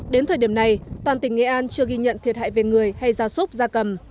đến thời điểm này toàn tỉnh nghệ an chưa ghi nhận thiệt hại về người hay gia súc gia cầm